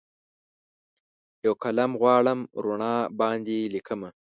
یوقلم غواړم روڼا باندې لیکمه